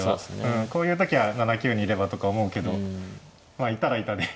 こういう時は７九にいればとか思うけどまあいたらいたで。